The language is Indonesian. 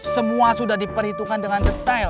semua sudah diperhitungkan dengan detail